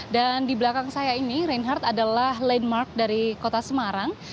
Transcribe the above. dan di belakang saya ini reinhard adalah landmark dari kota semarang